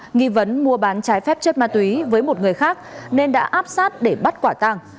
nghi vấn mua bán trái phép chất ma túy với một người khác nên đã áp sát để bắt quả tàng